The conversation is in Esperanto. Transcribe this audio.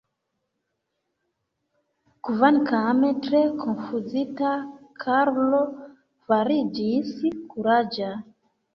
Kvankam tre konfuzita, Karlo fariĝis kuraĝa.